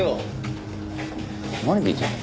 何聴いてんの？